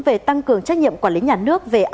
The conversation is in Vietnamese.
về tăng cường trách nhiệm quản lý nhà nước